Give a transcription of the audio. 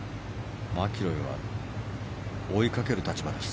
マキロイは追いかける立場です。